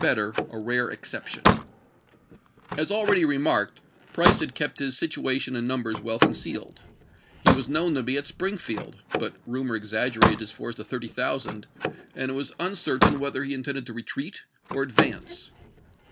„ p. Ml. better a rare exception." 288 PEA RIDGE AND ISLAND NO. 10 289 As already remarked, Price had kept his situa ch. xvii. tion and numbers well concealed. He was known to be at Springfield; but rumor exaggerated his force to thirty thousand, and it was uncertain whether he intended to retreat or advance.